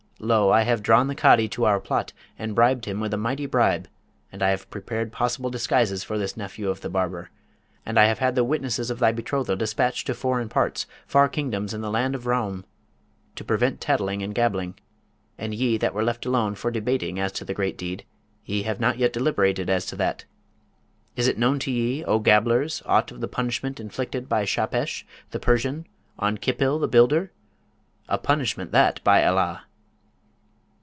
Lo, I have drawn the Cadi to our plot, and bribed him with a mighty bribe; and I have prepared possible disguises for this nephew of the barber; and I have had the witnesses of thy betrothal despatched to foreign parts, far kingdoms in the land of Roum, to prevent tattling and gabbling; and ye that were left alone for debating as to the great deed, ye have not yet deliberated as to that! Is't known to ye, O gabblers, aught of the punishment inflicted by Shahpesh, the Persian, on Khipil, the Builder? a punishment that, by Allah!'